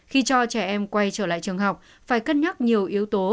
khi cho trẻ em quay trở lại trường học phải cân nhắc nhiều yếu tố